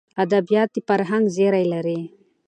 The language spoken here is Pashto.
ادبیات د فرهنګ زېری لري.